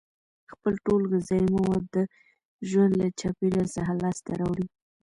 خپل ټول غذایي مواد د ژوند له چاپیریال څخه لاس ته راوړي.